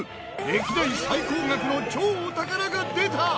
歴代最高額の超お宝が出た！